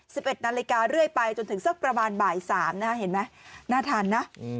สิบเอ็ดนาฬิกาเรื่อยไปจนถึงสักประมาณบ่ายสามนะฮะเห็นไหมน่าทานนะอืม